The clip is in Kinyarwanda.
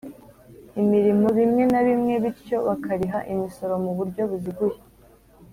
imirimo bimwe na bimwe bityo bakariha imisoro mu buryo buziguye